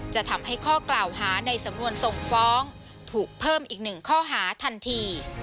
จะทำให้ข้อกล่าวหาในสำนวนส่งฟ้องถูกเพิ่มอีกหนึ่งข้อหาทันที